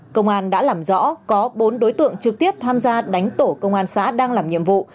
công an đã làm rõ có bốn đối tượng trực tiếp tham gia đánh tổ công an xã đang làm nhiệm vụ